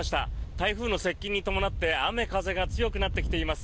台風の接近に伴って雨風が強くなってきています。